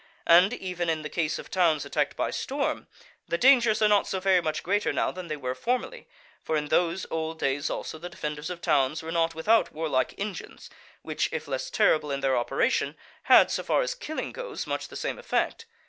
And even in the case of towns attacked by storm, the dangers are not so very much greater now than they were formerly; for in those old days also, the defenders of towns were not without warlike engines, which if less terrible in their operation, had, so far as killing goes, much the same effect.